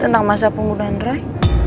tentang masa penggunaan roy